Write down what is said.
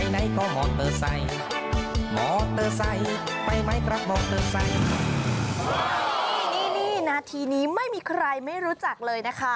นี่นาทีนี้ไม่มีใครไม่รู้จักเลยนะคะ